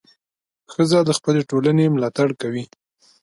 ښځه د خپلې ټولنې ملاتړ کوي.